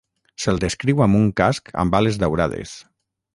Se'l descriu amb un casc amb ales daurades.